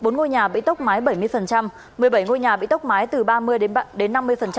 bốn ngôi nhà bị tốc mái bảy mươi một mươi bảy ngôi nhà bị tốc mái từ ba mươi đến năm mươi